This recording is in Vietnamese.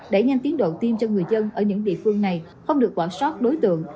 để nhanh tiến độ tiêm cho người dân ở những địa phương này không được quả sót đối tượng